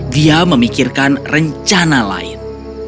dia memikirkan rencana lain